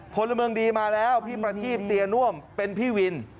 พลเมืองดีมาแล้วพี่ประทีบเตียน่วมเป็นพี่วิน